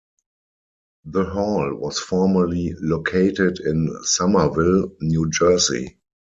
The hall was formerly located in Somerville, New Jersey.